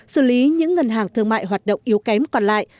xử lý những ngân hàng thương mại hoạt động yếu kém còn lại